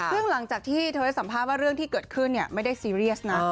ซึ่งหลังจากที่เธอให้สัมภาษณ์ว่าเรื่องที่เกิดขึ้นไม่ได้ซีเรียสนะ